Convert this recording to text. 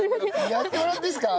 やってもらっていいですか？